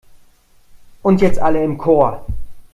Und jetzt alle im Chor!